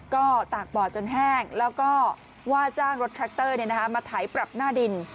ก็ตากบ่อจนแห้งแล้วก็ว่าจ้างรถแทรคเตอร์มาไถปรับหน้าดิน